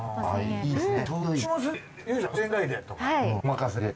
いいですね。